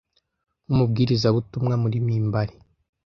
nkumubwirizabutumwa muri mimbari